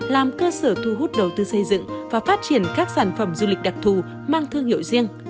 làm cơ sở thu hút đầu tư xây dựng và phát triển các sản phẩm du lịch đặc thù mang thương hiệu riêng